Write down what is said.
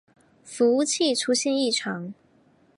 服务器出现异常